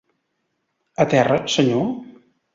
A terra, senyor?